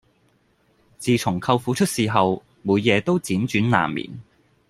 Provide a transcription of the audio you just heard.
自從舅父出事後每夜都輾轉難眠